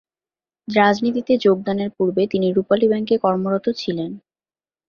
রাজনীতিতে যোগদানের পূর্বে তিনি রূপালী ব্যাংকে কর্মরত ছিলেন।